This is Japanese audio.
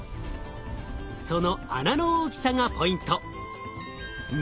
その穴の大きさがポイント。